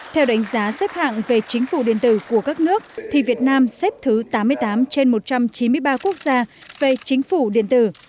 theo đánh giá xếp hạng về chính phủ điện tử của các nước thì việt nam xếp thứ tám mươi tám trên một trăm chín mươi ba quốc gia về chính phủ điện tử